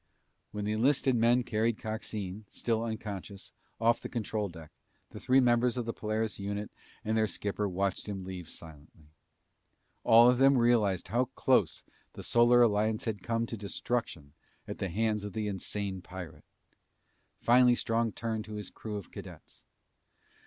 When the enlisted men carried Coxine, still unconscious, off the control deck, the three members of the Polaris unit and their skipper watched him leave silently. All of them realized how close the Solar Alliance had come to destruction at the hands of the insane pirate. Finally Strong turned to his crew of cadets.